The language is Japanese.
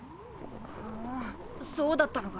ふんそうだったのか。